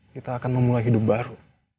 kita akan memulai hidup baru